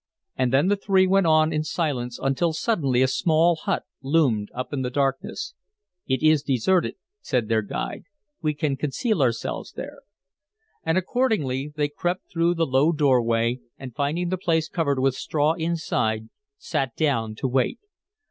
And then the three went on in silence until suddenly a small hut loomed up in the darkness. "It is deserted," said their guide. "We can conceal ourselves there." And accordingly, they crept through the low doorway, and finding the place covered with straw inside, sat down to wait.